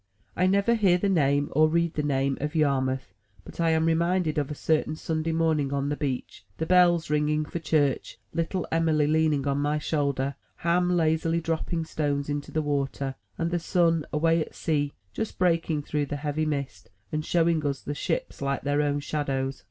I never hear the name, or read the name, of Yar mouth, but I am reminded of a certain Sunday morning on the beach, the bells ringing for church, little Em'ly leaning on my shoulder, Ham lazily dropping stones into the water, and the sun, away at sea, just breaking through the heavy mist, and showing us the ships, like their own shadows.